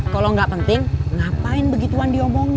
kalau nggak penting ngapain begituan diomongin